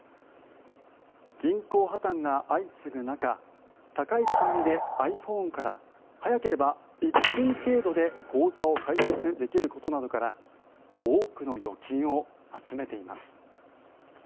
銀行破たんが相次ぐ中高い金利でｉＰｈｏｎｅから早ければ１分程度で口座を開設できることなどから多くの預金を集めています。